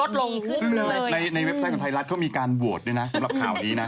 ซึ่งในเว็บไซต์ของไทยรัฐเขามีการโหวตด้วยนะสำหรับข่าวนี้นะ